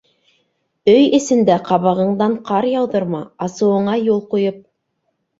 Өй эсендә ҡабағыңдан ҡар яуҙырма, асыуыңа юл ҡуйып